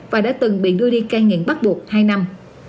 và đã từng bị đưa đi cai nghiện bắt buộc hai năm